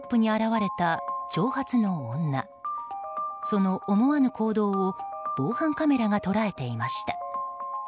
その思わぬ行動を防犯カメラが捉えていました。